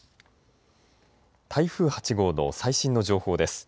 台風８号の最新の情報です。